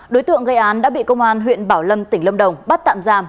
đối tượng gây án đã bị công an huyện bảo lâm tỉnh lâm đồng bắt tạm giam